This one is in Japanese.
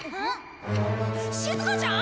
しずかちゃん！？